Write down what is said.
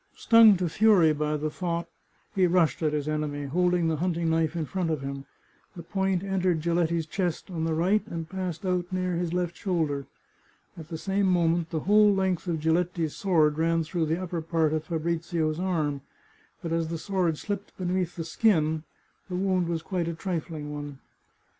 Stung to fury by the thought, he rushed at his enemy, holding the hunting knife in front of him. The point entered Giletti's chest on the right, and passed out near his left shoulder. At the same moment the whole length of Giletti's sword ran through the upper part of Fabrizio's arm, but as the sword slipped beneath the skin the wound was quite a trifling one.